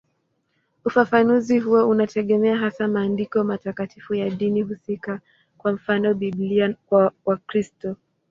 Ufafanuzi huo unategemea hasa maandiko matakatifu ya dini husika, kwa mfano Biblia kwa Wakristo.